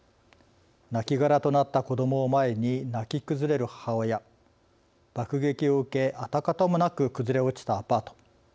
なきがらとなった子どもを前に泣き崩れる母親爆撃を受け跡形もなく崩れ落ちたアパート。